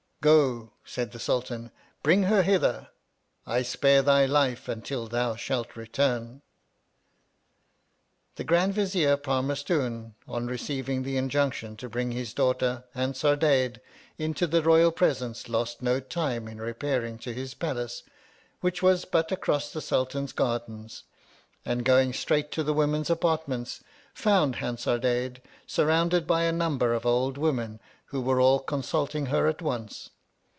Go, said the Sultan, bring her j hither. I spare thy life until thou shalt return, j The Grand Vizier Parmarstoon, on receiv j ing the injunction to bring his daughter Han sardadade into the royal presence, lost no time in repairing to his palace which was but across the Sultan's gardens, and going straight to the women's apartments, found Hansarda dade surrounded by a number of old women who were all consulting her at once.